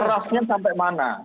kerasnya sampai mana